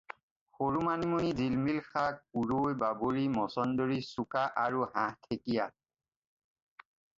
সৰু মানিমুনি, জিলিমিলি শাক, পূৰৈ, বাবৰি, মছন্দৰী, চুকা আৰু হাঁহঠেঙীয়া।